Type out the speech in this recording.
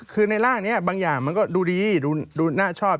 คือในร่างนี้บางอย่างมันก็ดูดีดูน่าชอบ